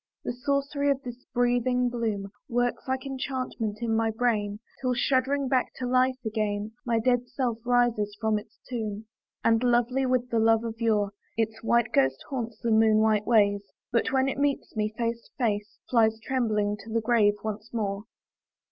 The sorcery of this breathing bloom Works like enchantment in my brain, Till, shuddering back to life again, My dead self rises from its tomb. And, lovely with the love of yore, Its white ghost haunts the moon white ways; But, when it meets me face to face, Flies trembling to the grave once more.